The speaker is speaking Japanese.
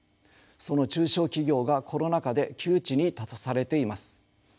その中小企業がコロナ禍で窮地に立たされています。